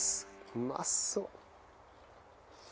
うまそう。